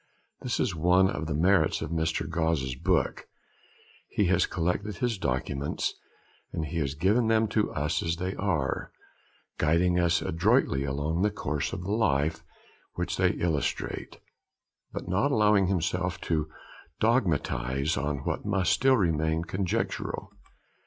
This is one of the merits of Mr. Gosse's book; he has collected his documents, and he has given them to us as they are, guiding us adroitly along the course of the life which they illustrate, but not allowing himself to dogmatise on what must still remain conjectural.